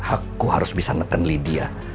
aku harus bisa neken lydia